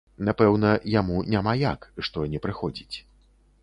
Напэўна, яму няма як, што не прыходзіць.